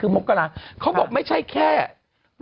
อึกอึกอึกอึกอึกอึก